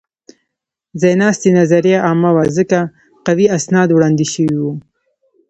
ځایناستې نظریه عامه وه؛ ځکه قوي اسناد وړاندې شوي وو.